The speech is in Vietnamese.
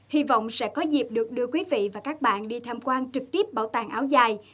hy vọng sẽ có dịp được đưa quý vị và các bạn đi tham quan trực tiếp bảo tàng áo dài